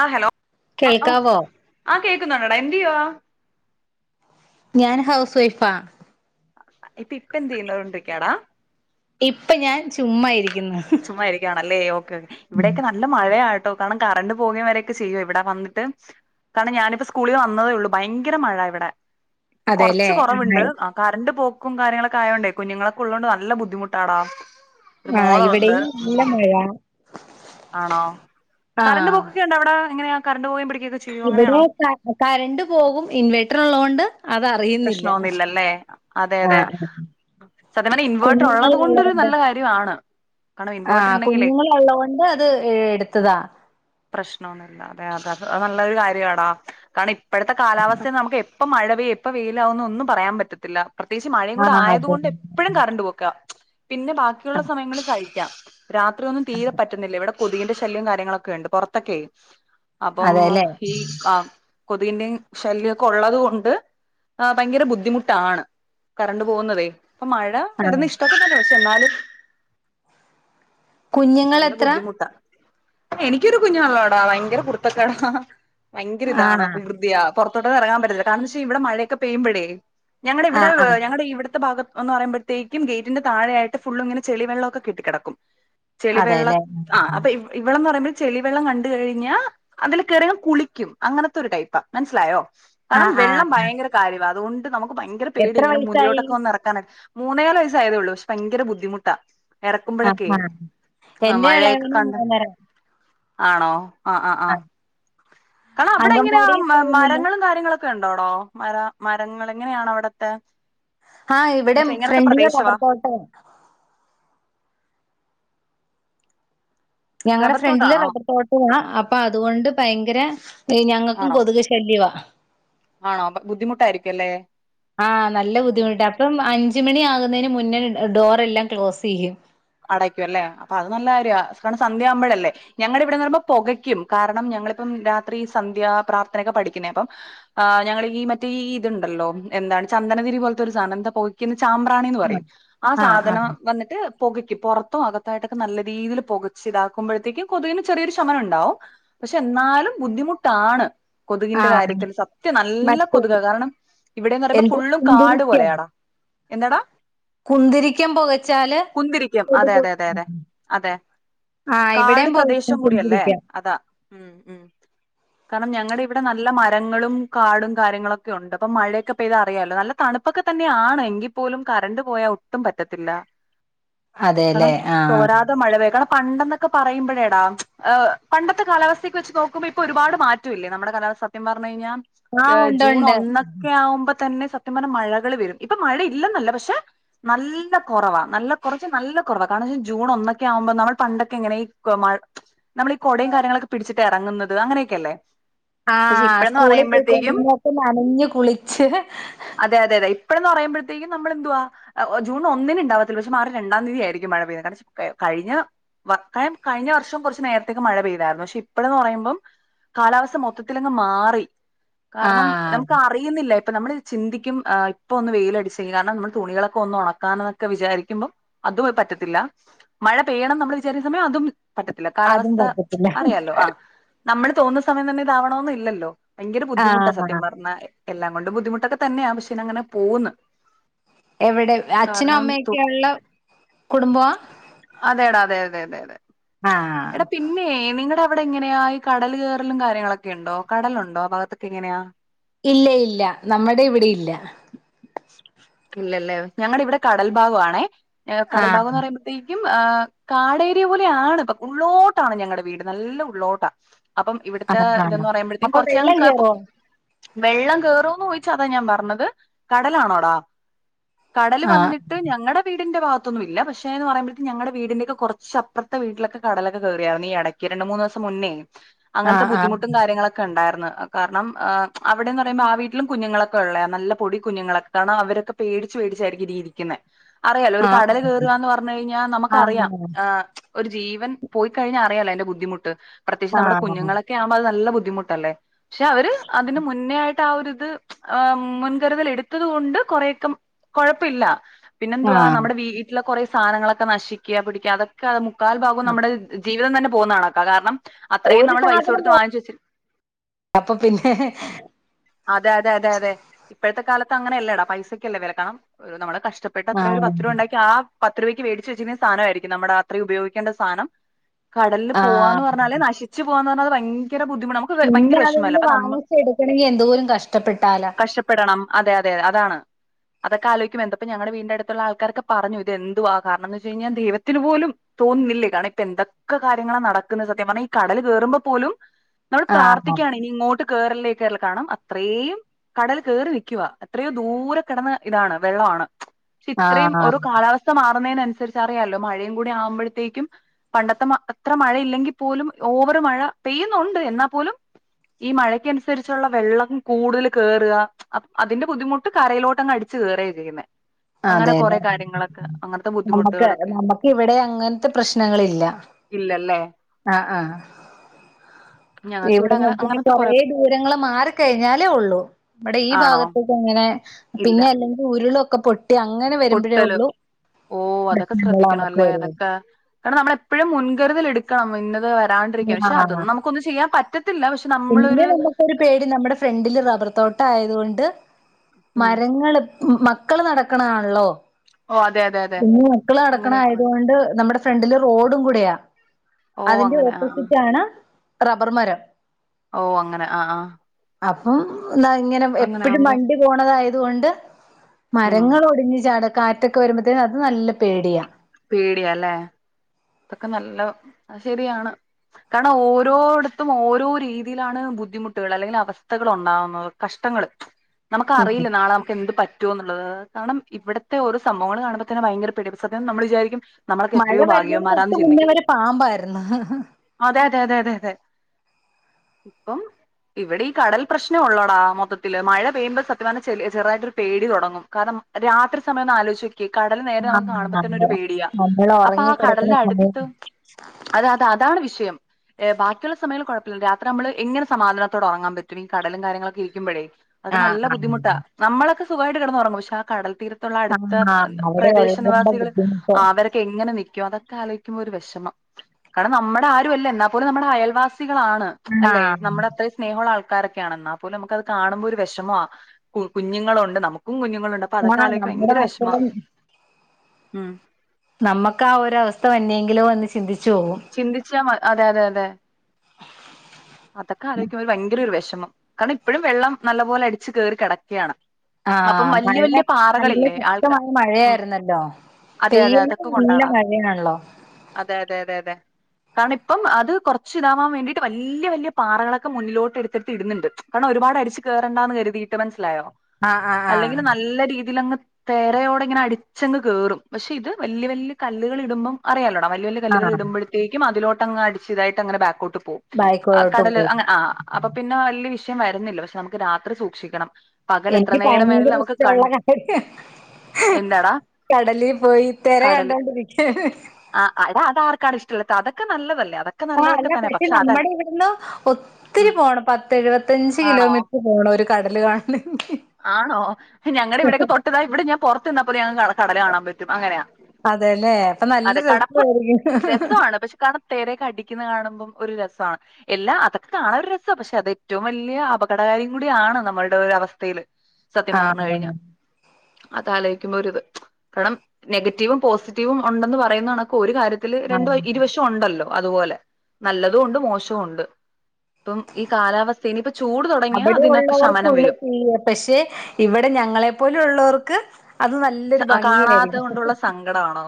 ആഹ് hello ആ കേൾക്കാവോ ആ കേക്കുന്നുണ്ടടാ എന്ത്യോയ്യാ ഞാൻ ഹൗസ് വൈഫാ ഇപ്പ ഇപ്പ എന്തേയ്‌തോണ്ടിരിക്കെടാ ഇപ്പ ഞാൻ ചുമ്മ ഇരിക്കുന്നു ചുമ്മാരിക്കാണല്ലേ ഓക്കെ ഓക്കേ ഇവിടൊക്കെ നല്ല മഴയാട്ടോ കാരണം കറണ്ട് പോവേ വരൊക്കെ ചെയ്യോ ഇവിടെ വന്നിട്ട് കാരണം ഞാനിപ്പ സ്കൂളിൽ വന്നതേ ഉള്ളു ഭയങ്കര മഴ ഇവിടെ ഇപ്പൊ കൊറച്ച് അതെല്ലേ കൊറവുണ്ട് കറണ്ട് പോക്കും കാര്യങ്ങളൊക്കെ ആയോണ്ടേ കുഞ്ഞുങ്ങളൾക്കെള്ളതോണ്ട് നല്ല ബുദ്ധിമുട്ടാടാ ഒരു ആഹ് മോളുണ്ട് ഇവിടെയും നല്ല ഉം മഴ ആണോ കറണ്ട് ആഹ് പോക്കൊക്കെണ്ടോ അവിടെ എങ്ങനെയാ കറണ്ട് പോവേംപിടിക്കൊക്കെചെ ഇവിടെ കറണ്ട് പോകും ഇൻവേട്ടർ ഉള്ളത് കൊണ്ട് അത പ്രശ്നമൊന്നുമില്ലല്ലേ അതെ അതെ ആഹ് സത്യം പർഞ്ഞാ ഇൻവേർട്ടർ കുഞ്ഞുങ്ങൾ ഉള്ളത് കൊണ്ടരു ഉള്ളോണ്ട് നല്ല കാര്യം ര്യആണ് ആഹ് കുഞ്ഞുങ്ങളുള്ളത് കൊണ്ട് അത് ഏ എടുത്തതാ പ്രശ്നമൊന്നുമില്ല അതെ അത് നല്ലൊരു കാര്യാടാ കാരണം ഇപ്പോഴത്തെ കാലാവസ്ഥ നമുക്കെ എപ്പ മഴ പെയ്യും എപ്പൊ വെയിലാവുന്നൊ ഒന്നും പറയാൻ പറ്റത്തില്ല പ്രത്യേകിച്ച് മഴയും കൂടെ ആഹ് അതെ ആയതുകൊണ്ട് എപ്പഴും കറണ്ട് പോക്കാ പിന്നെ ബാക്കിയുള്ള ആഹ് സമയങ്ങളിൽ കഴിക്കാം രാത്രിയൊന്നും തീരെ പറ്റുന്നില്ല ഇവിടെ കൊതുകിന്റെ ശല്ല്യം കാര്യങ്ങളൊക്കെ ഉണ്ട് പൊ റത്തൊക്കെയ് അപ്പം അതെല്ലേ ഈ ആ കൊതിന്റെയും ശല്യംഒക്കെ ഉള്ളത് കൊണ്ട് ആഹ് ഭയങ്കര ബുദ്ധിമുട്ടാണ് കറണ്ട് പോകുന്നതേ അപ്പൊ മഴ ആഹ് വരുന്ന ഇഷ്ടൊക്കെന്നെ പക്ഷേ എന്നാലും കുഞ്ഞുങ്ങൾ നല്ല എത്ര ബുദ്ധിമുട്ടാ എനിക്കൊരു കുഞ്ഞു നല്ലോടാ ഭയങ്കര കുരുത്തക്കേടാ ഭയങ്കര ഇതാണ് ആഹ് വൃകൃതിയാ പുറത്തോട്ടന്നും ഇറങ്ങാൻ പറ്റില്ല കാരണം എന്ത വെച്ചാ ഇവിടെ മഴയക്കെ പെയ്യുമ്പഴേ ഞങ്ങടെ ഇവിടെ ആഹ് ആഹ് ഞങ്ങള ഇവട് ത്തെ ഭാഗം എന്ന് പറയ്മ്പഴ് ത്തേക്കും ഗേറ്റിന്റെ താഴായിട്ട് ഫുള്ള് ഇങ്ങനെ ചെളിവെള്ളം കെട്ടികെടക്കും ചെളിവെള്ളം അതെല്ലേ ആഹ് അപ്പൊ ഇവ ഇവളെന്ന് പറയുമ്പോൾ ചെളിവെള്ളം കണ്ട് കഴിഞ്ഞാ അതില് കേറിയങ്ങ് കുളിക്കും അങ്ങനത്തെ ഒരു ടൈപ്പാ മനസ്സിലായോ കാരണം ആഹ് വെള്ളം ആഹ് ഭയങ്കര കാര്യവാ അതുകൊണ്ട് നമ്മക്ക് ഭയങ്കര പേടി എത്ര ഇങ്ങനെ വയസായി മുന്നിലോട്ടൊക്കെ ഒന്ന് എറക്ക ക്കാനൊക്കെ മൂന്നേല് വയസ്സ ആയതേ ഉള്ളൂ പക്ഷേ ഭയര ബുദ്ധിമുട്ടാ ആഹ് ഇറക്കുമ്പോഴൊക്കെ ആഹ് ആഹ് എന്റെ മഴയൊക്കെ ഇളയവന് കണ്ട് മൂന്നര ആണോ ആഹ് ആഹ് ആഹ് കാരണം അവിടെ എങ്ങനെയാ അങ്കൻവാടി മര പോകുന്നില്ല മരങ്ങളും കാര്യങ്ങളൊക്കെ ക്കെ ഉണ്ടോടോ മര മരങ്ങള് എങ്ങനെയാണവിടത്തെ ആഹ് ഇവിടെ ഫ്രണ്ട്ല് റബർത്തോട്ടാ ഞങ്ങടെ റബ്ബർ ഫ്രണ്ടില് തോട്ടാണോ? റബർത്തോട്ടുവാണ് അപ്പൊ അതുകൊണ്ട് ഭയങ്കര ഏഹ് ഞങ്ങൾക്കും ആണോ കൊതുക് ശല്യവാ ആണോ ബുദ്ധിമുട്ടായിരിക്കുല്ലേ ആഹ് നല്ല ബുദ്ധിമട്ട അപ്പം അഞ്ച് മണി ആകുന്നതിന് മുന്നേ ഡോറെ ല്ലാം ക്ലോസ്സെയ്യും അടയ്ക്കും അല്ലേ അപ്പൊ അത് നല്ല കാര്യ കാരണം സന്ധ്യ യാകുമ്പോഴല്ലേ ഞങ്ങടെ ഇവിടെന്ന് പറയുമ്പോ പൊകയ്ക്കും കാരണം ഞങ്ങളിപ്പം രാത്രി സന്ധ്യ പ്രാർത്ഥനൊക്കെ പഠിക്കുന്നേ അപ്പം ആഹ് ഞങ്ങള് ഈ മറ്റേ ഈ ഇതുണ്ടല്ലോ എന്താണ് ചന്ദനതിരി പോൽത്തെ ഒരു സാധനംന്താ പൊ ക്കുന്ന ചാമ്പ്രാണിന്ന് പറയും ആ സാധനം വന്നിട്ട് പുകയ്ക്കും പുറത്തും അകത്തായിട്ടൊക്കെ നല്ല രീതിയില് പുകച്ച് ഇതാക്കുമ്പോഴത്തേക്കും കൊതുകിന് ചെറിയൊരു ശമനണ്ടാവും പക്ഷേ എന്നാലും ബുദ്ധിമുട്ടാണ് ആ കൊതുകിന്റെ കാര്യത്തിൽ സത്യം നല്ല മറ്റേ കൊതുക കാരണം ഇവിടെന്ന് പറയുമ്പോ എന്താ ഫുള്ളും കാട് പോലെ കുന്തിരിക്കം ആടാ എന്താടാ കുന്തിരിക്കം പൊകച്ചാല് കുന്തിരിക്കം അതെ അതെ അതെ അതെ അതെ ആഹ് കാട് ഇവിടെയും പോകക്കും പ്രദേശം കൂടിയല്ലേ കുന്തിരിക്കം അതാ ഉം ഉം കാരണം ഞങ്ങളുടെ ഇവിടെ നല്ല മരങ്ങളും കാടും കാര്യങ്ങളൊക്കെ ഉണ്ട് അപ്പൊ മഴയൊക്കെ പെയ്താ അറിയാലോ നല്ല തണുപ്പ് പ്പൊക്കെ തന്നെയാണ് എങ്കിൽ പോലും കറണ്ട് പോയാൽ ഒട്ടും പറ്റത്തില്ല കാരണം അതെല്ലേ ആ തോരാത് തെ മഴവേ കാരണം പണ്ടെന്നൊക്കെ പറയുമ്പഴേടാ പണ്ടത്തെ കാലാവസ്ഥയ്ക്ക് വെച്ച് നോക്കുമ്പോ ഇപ്പൊ ഒരുപാട് മാറ്റം റ്റൂല്ല നമ്മുടെ കാലാവസ്ഥ സത്യം പറഞ്ഞ കഴിഞ്ഞാൽ ആ ഉണ്ട് ജൂൺ ഉണ്ട്. ഒന്ന് ഒക്കെ ആവുമ്പോ തന്നെ സത്യം പറഞ്ഞാ മഴകൾ വരും ഇപ്പൊ മഴ ഇല്ലെന്നല്ല പക്ഷെ നല്ല കുറവാ നല്ല കുറച്ച് നല്ല കുറവാ കാരണംന്നൊചാ ജൂൺ ഒന്നൊക്കെ ആവുമ്പോൾ നമ്മൾ പണ്ടൊക്കെ ഇങ്ങനെ ഈ മ നമ്മൾ ഈ കുടയും കാര്യങ്ങളൊക്കെ പിടിച്ചിട്ട് ഇറങ്ങുന്നത് അങ്ങനെയൊക്കെയല്ലേ പക്ഷെ ആഹ് ഇപ്പഴന്ന് സ്കൂളിൽ പറയുമ്പോഴത്തേക്കും പൊയ്‌ക്കൊണ്ടിരുന്നപ്പ നനഞ്ഞഞ് കുളിച്ച് അതെ അതെതെ ഇപ്പഴന്ന് പറയുമ്പഴത്തേക്കും നമ്മൾന്തുവാ ജൺ ഒന്നിന് ഉണ്ടാവത്തില്ല പ മാറി രണ്ടാം തീയതി ആയിരിക്കും മഴ പെയ്ന്ന കാരണം കഴിഞ്ഞ വക്കയം കഴിഞ്ഞ വർഷം കുറച്ച് നേരത്തേക്ക് മഴ പെയ്തായിരുന്നു പക്ഷെ ഇപ്പഴന്ന് പറയുമ്പം കാലാവസ്ഥ മൊത്തത്തിലങ്ങ് മാറി ആ കാരണം നമുക്ക് അറിയുന്നില്ല ഇപ്പൾ നമ്മൾ ചിന്തിക്കും ആഹ് ഇപ്പോൾ ഒന്ന് വെയിലടിച്ചെങ്കിൽ കാരണം നമ്മൾ തുണികളക്കെ ഒന്ന് ഉണക്കാന്നൊക്കെ വിചാരിക്കും കുമ്പം അതും പറ്റത്തില്ല മഴ പെയ്യണം നമ്മൾ വിചാരിന്ന സമയം അതും പറ്റത്തില്ല അതും കാലാവസ്ഥ പറ്റത്തില്ല. അറിയാലോ ആഹ് നമ്മള് തോന്നുന്ന സമയം തന്നെ ഇതാവണോന്ന് ഇല്ലല്ലോ ഭയങ്കര ആ ബുദ്ധിമുട്ടാ സത്യം പറഞ്ഞ എല്ലാം കൊണ്ട് ബുദ്ധിമുട്ടൊക്കെ തന്നെയാണ് പക്ഷേ ഇ അങ്ങനെ പോന്ന് എവിടെ അച്ഛനും തു അമ്മയൊക്കെയ ഉള്ള കുടുംബമാ അതെടാ അതെ അതെ അതെ അതെ ആഹ് എടാ പിന്നെ നിങ്ങളുടെ അവിടെ എങ്ങനെയ ഈ കടൽ കയറലും കാര്യങ്ങളൊക്കെ ഉണ്ടോ കടലുണ്ടോ ഭാഗത്തൊക്കെ എങ്ങനെയാ ഇല്ല ഇല്ല നമ്മുടെ ഇവിടെ ഇല്ല ഇല്ലല്ലേ ഞങ്ങളുടെ ഇവിടെ കടൽ ഭാഗ ആണെ കടൽ ഭാഗം എന്ന് ആഹ് പറയ്മ്പോ തേക്കും ആഹ് കാടേരിയ പോലെയാണ് ഉള്ളോട്ടാണ് ഞങ്ങളടെ വീട് നല്ല ഉള്ളോട്ട അപ്പം ഇവിടുത്തെ ആഹ് ആഹ് ഇതന്ന് പറയുമ്പോഴത്തേ അപ്പൊ കൊറച്ച് വെള്ളം ഞങക്ക് കേറോ വെള്ളം കയറുംന്ന് ചോദിച്ച അതാ ഞാൻ പറഞ്ഞത് കടലാണോടാ കടല് ആഹ് വന്നിട്ട് ഞങ്ങളുടെ വീടിന്റെ ഭാഗത്തൊന്നുമില്ല പക്ഷേന്ന് പറയുമ്പോഴ ഞങ്ങടെ വീടിന്റെക്കെ കുറച്ചപ്പുറത്തെ വീട്ടിലൊക്കെ കടലൊക്കെയറിയായിരുന്നു ഈടക്ക് ക്ക് രണ്ട് മൂന്ന് ദിവസം മുന്നേ അങ്ങനത്തെ ആഹ് ആഹ് ബദ്ധിമുട്ടും കാര്യങ്ങളൊ ക്കെ ഉണ്ടാരുന്നു കാരണം ആഹ് അവിടെന്ന് പറയ്പോ ആ വീട്ടിലും കുഞ്ഞുങ്ങളൊക്കെ ഉള്ളയ നല്ല പൊടി കുഞ്ഞുങ്ങളൊക്കെ കാരണം അവരൊക്ക പേടിച്ച് പേടിച്ചായിരിക്കും ഇതി ഇരിക്കുന്ന അറിയാലോ ഒരു കടല് ആഹ് കേയറുവാന്ന് പറഞ്ഞു കഴിഞ്ഞാൽ നമുക്കറിയാം ആഹ് ഒരു ജീവൻ പോയി കഴിഞ്ഞ അറിയല്ലോ എതിന്റെ ബുദ്ധിമുട്ട് പ്രത്യേകിച്ച് ആഹ് നമ്മുടെ കുഞ്ഞങ്ങള ക്കെ ആവുമ്പോ അത് നല്ല ബുദ്ധിമുട്ടല്ലേ പക്ഷെ അവര് അതിന് മുന്നേ ആയിട്ട് ട്ട് ആരിത് മുൻകരുതൽ എടുത്തത് കൊണ്ട് കൊറേക്കെ കുഴപ്പില്ല പിന്നെ ആഹ് എന്തുവാ ആഹ് നമ്മുടെ വീട്ടിലെ കുറെേ സാധനങ്ങളൊക്കെ നശിക്കുക പിടിക്കുക അതൊക്കെ മുക്കാൽ ഭാഗവും നമ്മുടെ ജീവിതം തന്നെ പോകുന്നതണോക്ക കാരണം അത്രയും ഒരു നമ്മൾ പൈസ സാധനം കൊടുത്ത് വാങ്ങിച്ചു വെച്ച അപ്പൊ പിന്നെ അതെ അതെ അതെ അതെ ഇപ്പോഴത്തെ കാലത്ത് അങ്ങനെ അല്ലേടാ പൈസക്കെ അല്ലേ വില കാരണം നമ്മള് കഷ്ട പട്ട അത്ര ഒരു ആഹ് പത്ത് രൂപ ഉണ്ടാക്കി ആ പത്ത് രൂപയ്ക്ക് വേടിച്ച് വെച്ചിരിക്കുന്ന സാനമായിരിക്കും നമ്മുടെ അത്രയും ഉപോഗിക്കേണ്ട സാനം കടലിൽ പോവാന്ന് ആഹ് പറഞ്ഞാല് നശിച്ചു പോവാന്ന് പറഞ്ഞാല് ഭയങ്കര ബുദ്ധിമുട്ടാ പിന്നെ അതൊന്ന് വാങ്ങിച് എടുക്കണമെങ്കി എന്തോരം കഷ്ടപ്പെട്ടാല പപ്പെടണം അതെ അതെെ അതാണ് അതൊക്കെ ആലോയ്ക്കുമ്പോ എന്താപ്പോ ഞങ്ങടെ വീടിന്റെ അടുത്തുള്ള ആൾക്കാരൊക്കെ പറഞ്ഞു ഇത് എന്തുവാ കാരണംന്നു വെച്ച് കഴിഞ്ഞാൽ ദൈവത്തിന് പോലും തോന്നുന്നില്ലേ കാരണം ഇപ്പൊ എന്തൊക്കെ കാര്യങ്ങളാ നടക്കുന്ന സത്യം പറഞ്ഞാൽ ഈ കടൽ കേറുമ്പോൾ പോലും നമ്മൾ ആഹ് പ്രാർത്ഥിക്കയാണ് ഇനി ഇങ്ങോട്ട് കേറലേ കേറ കാരണം അത്രയും കടൽ കേറി നിൽക്കവാ എത്രയോ ദൂര കിടന്ന ഇതാണ് വെള്ളമാണ് പക്ഷെ ഇത്രയും ആഹ് ഒരു കാലാവസ്ഥ സ്ഥ മാറുന്നതിനനുസരിച്ച് അറിയാാലോ മഴയും കൂടി ആവുമ്പോഴത്തേക്കും പണ്ടത്തെ മ അത്ര മഴയില്ലെങ്കിൽ പോലും ഓവറ് മഴ പെയ്യുന്നുണ്ട് എന്നാ പോലും ഈ മഴയ്ക്കനുസരിച്ചുള്ള വെള്ളം കൂടുതൽ കേയറുക അതിന്റെ ബുദ്ധിമുട്ട് കരയിലോട്ട് പെട്ടന്ന് അടിച്ചു കയറയ ചെയ്യുന്നെ അങ്ങനെ കൊറെ അതെല്ലേ കാര്യങ്ങളൊക്കെ അങ്ങനത്തെ നമുക്ക് ബുദ്ധിമുട്ടുകളൊക്കെ ഇണ്ട് നമുക്ക് ഇവിടെ അങ്ങനത്തെ പ്രശ്നങ്ങളില്ല ഇല്ലല്ലേ ആഹ് ആഹ ഞങ്ങക്ക് ഇവിടെ അങ്ങനെ നോക്കെ അങ്ങനത്തെ കൊറെ കൊറെേ ദൂരങ്ങള് മാറിക്കഴിഞ്ഞാലേ ഉള്ളു ഇവിടെ ഈ ആണോ? ഭാഗത്ത് അങ്ങനെ ഇല്ല. പിന്നെ അല്ലെങ്കിൽ ഉരുളൊക്കെ പൊ ട്ടി അങ്ങനെ പൊട്ടല് വരുമ്പോഴേള്ളൂ ഓ അതൊക്കെ പ്രശ്നങ്ങള് ശ്രദ്ധിക്കണം നമുക്ക് അല്ലേ? വര അതൊക്കെ കാരണം നമ്മളെപ്പോഴും മുൻകരുതല് എടുക്കണം ഇന്നത് വരും വരാണ്ടിരിക്കാൻ പക്ഷെ ആഹ് അതൊന്നും നമുക്കൊന്നും ചെയ്യാൻ പറ്റത്തില്ല പക്ഷെ പിന്നെ നമ്മളൊരു നമുക്കൊരു പേടി നമ്മുടെ ഫ്രണ്ടില് റബർ തോട്ടം ആയതുകൊണ്ട് ഉം മരങ്ങള് മക്കൾ നടക്കണത് ആണല്ലോ ഓ അതെ അതെ അതെ കുഞ്ഞി മക്കൾ നടക്കണത് അങ്ങനെയൊക്കെ ഉണ്ട്. ആയതുകൊണ്ട് നമ്മുടെ ഫ്രണ്ടില് റോഡും കൂടെയാ ഓ അതിന്റെ അങ്ങനെ ആ ഓപ്പോസിറ്റ് ആണ് റബ്ബർ മരം ഓ അങ്ങനെ ആഹ് ആഹ് അപ്പം ഇതാ ഇങ്ങനെ എപ്പഴും ആകുമ്പം വണ്ടി പോണതായത് കൊണ്ട് ഉം മരങ്ങൾ ഒടിഞ്ഞ് ചാട കാറ്റൊക്കെ വരുമ്പത്തേനും അത് നല്ല പേടിയാ പേടിയാ അല്ലേ ഇതൊക്കെ നല്ല അത് ശെരിയാണ് കാരണം ഓരോടത്തും ഓരോ രീതിയിലാണ് ബുദ്ധിമുട്ടുകൾ അല്ലെങ്കിൽ അവസ്ഥകൾ ഉണ്ടാാവുന്നത് കഷ്ടങ്ങള് [unintelligible] നമുക്കറിയില്ല നാളെ നമക്ക് എന്ത് പറ്റ റ്റോന്നുള്ളത് കാരണം ഇവിടത്തെ ഓരോ സംഭവങ്ങൾ കാണുമ്പോ തന്നെ ഭയങ്കര പേടിയാ സത്യം നമ്മൾ വിചാരിക്കും നമ്മളൊക്കെ എത്രയോ ഭാഗ്യവൻമാരാ ള് മുന്നേ വരെ പാമ്പായിരുന്നു അതെതെ അതെ അതെ അതെ ഇപ്പം ഇവിടെ ഈ കടൽ പ്രശ്നം ഉള്ളോടാ മൊത്തത്തില് മഴ പെയ്യുമ്പോൾ സത്യപറഞ്ഞാ ചെ ചെറുതായിട്ടൊരു പേടി തുടങ്ങും കാരണം രാത്രി സമയം ഒന്ന് ആലോച്ച് നോക്കിയേ കടൽ നേരെ നമുക്ക് ആഹ് കാണുമ്പോത്തന്ന ഒരു പേടിയാ നമ്മൾ അപ്പൊ ഉറങ്ങി ആ കിടക്കുന്ന കടലിന്റെ അടു സമയം അത അത അതാണ് വിഷയം ബാക്കിയുള്ള സമയം കുഴപ്പില്ല രാത്രി നമ്മള് എങ്ങനെ സമാധാനത്തോട് ഉറങ്ങാൻ പറ്റും ഈ കടലും കാര്യങ്ങളൊക്കെ ഇരിക്കുമ്പോഴേ അത് ഒക്കെ ആഹ് നല്ല ബുദ്ധിമുട്ട നമ്മളൊക്കെ സുഖമായിട്ട് കിടന്നറങ്ങും പക്ഷെ ആ കടൽ തീരത്ത് ത്ത ആഹ് അടുത്ത ആഹ് അവിടെ പ്രദേശ ഉള്ളതിന്റെ നിവാസികൾ ബുദ്ധിമുട്ട് അവരൊക്കെ എങ്ങനെ നിക്കും അതൊക്കെ ആലോചി ഒരു വിഷമം കാരണം നമ്മുടെ ആരും അല്ല എന്നാ പോലും നമ്മുടെ അയൽവാസികളാണ് അല്ലെ ആഹ് നമ്മുടെ അത്ര സ്നേഹമുള്ള ആൾക്കാരൊക്കെയാണ് എന്നാ പോലും നമുക്കത് കാണുമ്പോ ഒരു വിഷമാ ആ കുഞ്ഞുങ്ങളുണ്ട് നമുക്കും കുഞ്ഞുങ്ങളുണ്ട് അപ്പ അതൊക്കെ ആഹ് ആലോയിക്ക നമ്മുടെ ഭയങ്കര വിഷമ മക്കളും ഉം നമ്മുക്ക് ആ ഒര് അവസ്ഥ വന്നെങ്കിലോ എന്ന് ചിന്തിച്ചു പോകും ചിന്തിച്ച അതെ അതെ അതെ അതൊക്കെ ആലോചിക്കുമ്പ ഒരു ഭയങ്കര ഒരു വിഷമം കാരണം ഇപ്പഴും വെള്ളം നല്ലപോലെ അടിച്ച് കേറി കിടക്കുകയാണ് അപ്പം ആഹ് മഴ വല്യ വല്യ നല്ല പാറകളില്ലേ ആൾക്കാ ശക്തമായ ഉം മഴയായിരുന്നല്ലോ അതെ അതെ പെയ്യുന്നത് അതൊക്കെ നല്ല കൊണ്ടാടാ മഴയാണല്ലോ അതെ അതെ അതെ അതെ കാരണം ഇപ്പം അത് കുറച്ച് ഇതാവാൻ വേണ്ടിട്ട് വല്ലി വല്ല്യ വല്ല്യ പാറകളൊക്കെ മുന്നിലോട്ട് എടുത്തെടുത്ത് ഇട്ന്നുണ്ട് കാരണം ഒരുപാടടിച്ച് കയറണ്ടാന്ന് കരുതിയിട്ട് മനസ്സിലായോ ആഹ് ആഹ് അല്ലെങ്കിൽ ആഹ് നല്ല രീതിലങ്ങ് തേരയോടെ ഇങ്ങനെ അടിച്ചങ്ങ് കേറും പക്ഷെ ഇത് വല്യ വല്യ കല്ലുകൾ ഇടുമ്പം അറിയാല്ലൊട വല്യ വല്യ കല്ലുകൾ ആഹ് ഇടുമ്പോഴത്തേക്കും അതിലോട്ടങ്ങ് അടിച്ച് ഇതായിട്ട് അങ്ങനെ ബാക്കോട്ട് പോവും ആഹ് ബായ്ക്കോട്ട് കടല് പോകും അങ്ങനെ ആഹ് അപ്പൊ പിന്നെ വലിയ വിഷയം വരുന്നില്ല പക്ഷെ നമുക്ക് രാത്രി സൂക്ഷിക്കണം പകൽ എത്ര എനിക്ക് നേരം ഭയങ്കര വേണേലും നമുക്ക് കൺ ഇഷ്ടമുള്ള കാര്യാ എന്താടാ കടലിപോയി തെര കണ്ടോണ്ടിരിക്കാന് ആഹ് എടാ അതാർക്കാണ് ഇഷ്ടല്ലത്തെ അതൊക്കെ നല്ലതല്ലേ അത ആഹ അല്ല പക്ഷെ നമ്മുടെ ഇവിടുന്ന് ഒത്തിരി ഉം പോണം പത്ത് എഴുപത്തഞ്ച് ആണോ കിലോമീറ്റർ പോണം ഒരു കടല് കാണണെങ്കി ആണോ ഞങ്ങളടെ ഇവിടൊക്കെ തൊട്ട്താ ഇവിടെ ഞാൻ പുറത്ത്ന്നപ്പോലും ഞങ്ങക്ക് കടൽ കാണാൻ പറ്റും അങ്ങനെയാ അതെല്ലേ അപ്പൊ നല്ല രസായിരിക്കും തെരെക അടിക്കന്ന് കാണുമ്പം ഒരു രസാ എല്ലാം അതൊക്കെ കാണൻ ഒരു ര- സ പക്ഷെ അത് ഏറ്റവും വലിയ അപകടകാരിയും കൂടിയാണ് നമ്മുടെ ഒരു അവസ്ഥയില് സത്യം പറഞ്ഞു കഴിഞ്ഞ ആഹ് അത് ആലോയിക്കുമ്പോ ഒ ഒരു ഇത് കാരണം നെഗറ്റീവും പോസിറ്റീവും ഉണ്ടെന്ന് പറയുന്ന കണക്ക ഒരു കാര്യത്തില് രണ്ട് ആഹ് ഇരുവശ ത്തുണ്ടല്ലോ അതുപോലെ നല്ലതുണ്ട് മോശുണ്ട് ഇപ്പ ഈ കാലാവസ്ഥ ഞ്ഞിപ്പ ചൂട് തുടങ്ങിയാ അവിടെ അതിനൊക്കെ ശമനം ഉള്ളവർക്കുള്ള വരും തീയ പക്ഷെ ഇവിടെ ഞങ്ങളെപ്പോലെ ള്ളർക്ക് കാണാത്ത കൊണ്ടുള്ള സങ്കടാണോ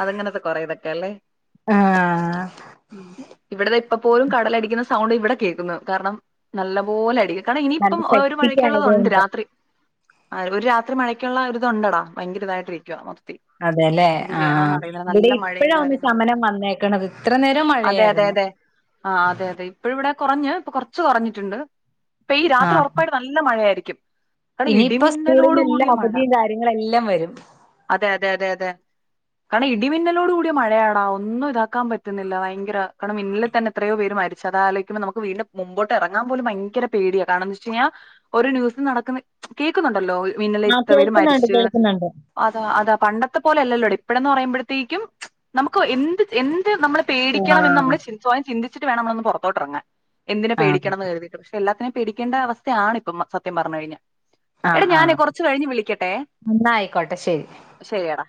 അതെങ്ങനത്തെ കൊറെ ഇതൊക്കെല്ലേ ആഹ് ഉ ഇവിടത്തെ ഇപ്പ പോലും കടലടിക്കുന്ന സൗണ്ട് ഇവിടെ കേക്കുന്നു കാരണം നല്ല പോലെ അടി- കാരണം ഇനിയിപ്പം നല്ല ഒരു മഴക്കുള്ളത് ശക്തിക്കായത് ഉണ്ട് രാത്രി ഒരു രാത്രി മഴയ്ക്കുള്ള ഒരുരിതുണ്ടടാ ഭയങ്കര ഇതായിട്ട് ഇരിക്കുവ മൊ- അതെല്ലേ ആഹ ഇവിടെ മഴയും ഇപ്പഴാ ഒന്ന് കാര്യങ്ങളൊക്കെ ശമനം തന്നെ വന്നേക്കണത് ഇത്ര നേരം മഴയായിരുന്നു ആഹ് അതെ അതെ ഇപ്പഴ ഇവിടെ കുറഞ്ഞ ഇപ്പൊ കുറച്ച് കുറഞ്ഞിട്ടുണ്ട് ഇപ്പൊ ഈ രാത്രി ആഹ് ഉറപ്പായിട്ട നല്ല മഴയായിരിക്കും കാരണം ഇനിയിപ്പോ സ്കൂളന്ന് ഇടിമിന്നലോട് എല്ലാ കൂടിയ മഴ അവധിയും കാര്യങ്ങള എല്ലാം വരും അതെ അതെ അതെ അതെ കാരണം ഇടിമിന്നലോട് കൂടിയ മഴയാടാ ഒന്നും ഇതാക്കാൻ പറ്റുന്നില്ല ഭയങ്കര കാരണം മിന്നലി തന്നെ എത്രയോ പേര് മരിച്ചതാലോകുമ്പോ നമുക്ക് വീണ്ടും മുമ്പോട്ട് എറങ്ങാ പോലു ഭയങ്കര പേടിയാ കാരണംന്ത് ച്ച യിഞ്ഞ ഓരോ ന്യൂസും നടക്കുന്ന കേൾക്കുന്നുണ്ടല്ലോ ആഹ് മിന്നലേറ്റിട്ട് കേൾക്കുന്നുണ്ട് മരിച്ച് കേൾക്കുന്നുണ്ട് അതാ അതാ പണ്ടത്തെ പോലെ അല്ലല്ലോ ഇപ്പോഴന്ന് പറയുമ്പോഴത്തേക്കും നമുക്ക് എന്ത് എന്ത് നമ്മള് പേടിക്കണംന്ന് ആഹ് നമ്മള് സ്വയം ചിന്തിച്ചിട്ട് വേണം നമ്മ നമ്മളൊന്ന് പുറത്തോട്ടിറങ്ങാൻ എന്തിന് ആഹ് പേടിക്കണംന്ന് കരുതി പക്ഷെ എല്ലാത്തിനും പേടിക്കണ്ട അവസ്ഥയാണ് ഇപ്പം സത്യം പറഞ്ഞ കഴിഞ്ഞ എടാ ഞാനേ കുറച്ച് കഴിഞ്ഞ് വിളി- ന്നായിക്കോട്ടെ ശരി ശരിയടാ